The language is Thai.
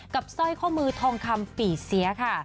สร้อยข้อมือทองคำปี่เสียค่ะ